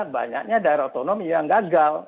banyaknya daerah otonomi yang gagal